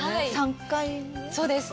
そうですね。